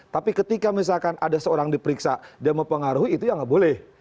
tapi ketika misalkan ada seorang diperiksa dia mempengaruhi itu ya nggak boleh